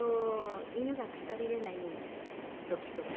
犬がくたびれない時とか。